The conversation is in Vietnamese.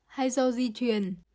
hay do di truyền